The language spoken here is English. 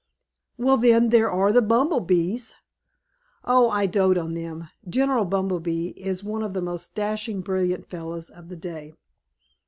"Well, then, there are the Bumble bees." "Oh, I doat on them! General Bumble is one of the most dashing, brilliant fellows of the day.